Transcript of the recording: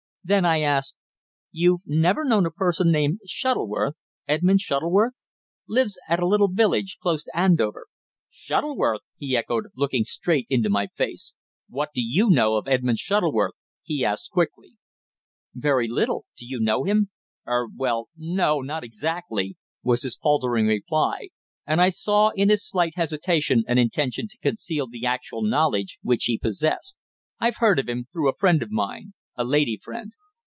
Then I asked "You've never known a person named Shuttleworth Edmund Shuttleworth? Lives at a little village close to Andover." "Shuttleworth!" he echoed, looking straight into my face. "What do you know of Edmund Shuttleworth?" he asked quickly. "Very little. Do you know him?" "Er well no, not exactly," was his faltering reply, and I saw in his slight hesitation an intention to conceal the actual knowledge which he possessed. "I've heard of him through a friend of mine a lady friend."